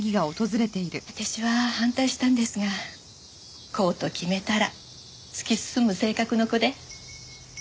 私は反対したんですがこうと決めたら突き進む性格の子で。